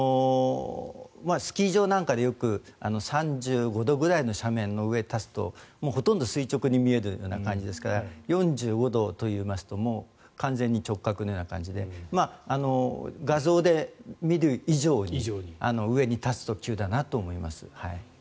スキー場なんかで、よく３５度ぐらいの斜面の上に立つとほとんど垂直に見えるような感じですから４５度といいますと完全に直角のような感じで画像で見る以上に上に立つと急だなと思います。